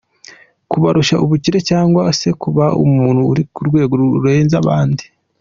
Kubarusha ubukire cyangwa se kuba umuntu uri ku rwego rurenze abandi.